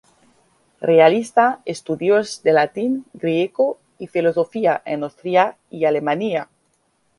Realiza estudios de latín, griego y filosofía en Austria y Alemania.